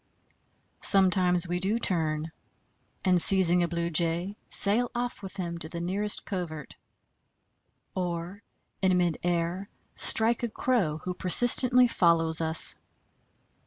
Sometimes we do turn, and seizing a Blue Jay, sail off with him to the nearest covert; or in mid air strike a Crow who persistently follows us.